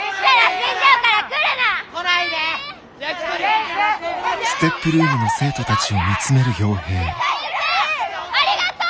先生ありがとう！